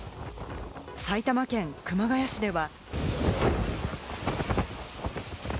埼玉県熊谷市では。